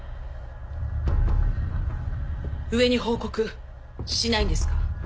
上に報告しないんですか？